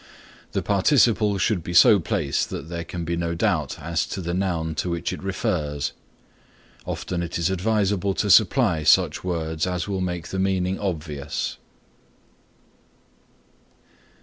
The participle should be so placed that there can be no doubt as to the noun to which it refers. Often it is advisable to supply such words as will make the meaning obvious.